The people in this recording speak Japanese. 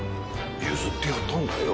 譲ってやったんだよ。